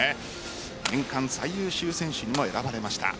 年間最優秀選手にも選ばれました。